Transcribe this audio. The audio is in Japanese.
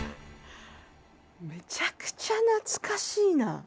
めちゃくちゃ懐かしいなあ。